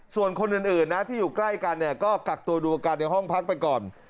ส่วนคนอื่นนะที่อยู่ใกล้กันเนี่ยก็กักตัวดูอาการในห้องพักไปก่อน